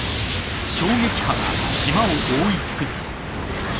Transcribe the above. あっ。